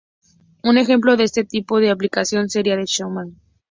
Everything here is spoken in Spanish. Un ejemplo de este tipo de aplicación seria el "Shazam".